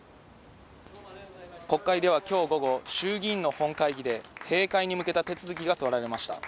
国会ではきょう午後、衆議院の本会議で、閉会に向けた手続きが取られました。